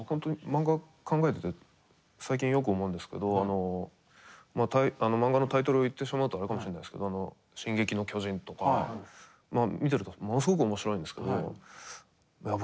漫画考えてて最近よく思うんですけど漫画のタイトルを言ってしまうとあれかもしれないですけど「進撃の巨人」とか見てるとものすごく面白いんですけど